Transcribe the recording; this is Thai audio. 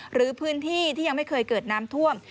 หรือพื้นที่ที่ยังไม่เคยเกิดน้ำท่วม